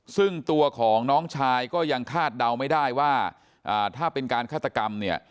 ซึ่งตัวของน้องชายก็ยังคาดเดาไม่ได้ว่าถ้าเป็นการฆาตกรรมเนี่ย